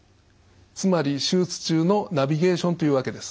つまり手術中のナビゲーションというわけです。